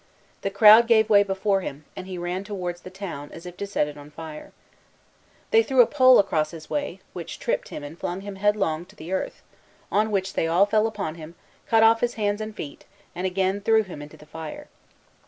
The crowd gave way before him, and he ran towards the town, as if to set it on fire. They threw a pole across his way, which tripped him and flung him headlong to the earth, on which they all fell upon him, cut off his hands and feet, and again threw him into the fire.